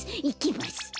いきます。